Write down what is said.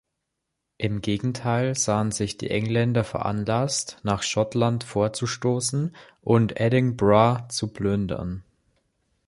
Im Gegenteil sahen sich die Engländer veranlasst, nach Schottland vorzustoßen und Edinburgh zu plündern.